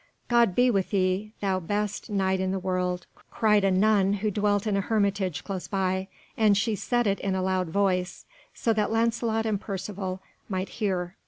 "God be with thee, thou best Knight in the world," cried a nun who dwelt in a hermitage close by; and she said it in a loud voice, so that Lancelot and Percivale might hear.